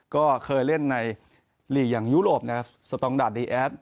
ก็เคยเล่นในหลีกยังยูโรปสตองดันดีแอฟ